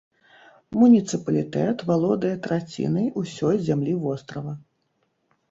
Муніцыпалітэт валодае трацінай усёй зямлі вострава.